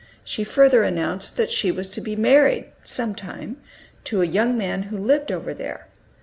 She further announced that she was to be married, some time, to a young man who lived over there.